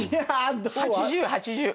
８０８０。